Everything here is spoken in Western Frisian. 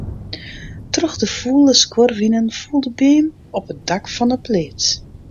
Troch de fûle skuorwinen foel de beam op it dak fan 'e pleats.